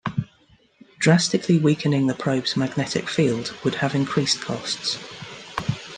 Drastically weakening the probe's magnetic field would have increased costs.